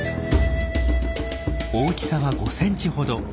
大きさは５センチほど。